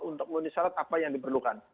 untuk memenuhi syarat apa yang diperlukan